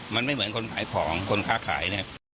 มันไม่เหมือนคนขายผองคนค้าขาย